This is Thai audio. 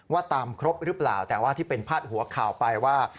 ว่าตามครบหรือเปล่าแต่ว่าที่เป็นพาดหัวข่าวไปว่า